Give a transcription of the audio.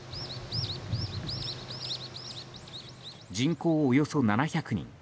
人口およそ７００人。